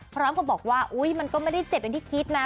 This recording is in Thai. พร้อมกับบอกว่าอุ๊ยมันก็ไม่ได้เจ็บอย่างที่คิดนะ